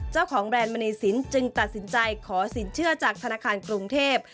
แบรนด์มณีสินจึงตัดสินใจขอสินเชื่อจากธนาคารกรุงเทพ